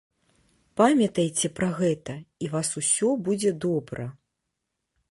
Памятайце пра гэта, і вас усё будзе добра!